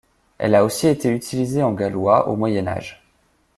Elle a aussi été utilisée en gallois au Moyen Âge.